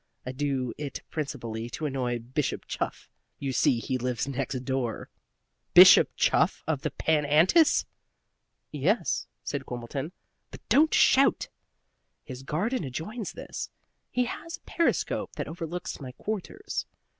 I do it principally to annoy Bishop Chuff. You see, he lives next door." "Bishop Chuff of the Pan Antis?" "Yes," said Quimbleton "but don't shout! His garden adjoins this. He has a periscope that overlooks my quarters.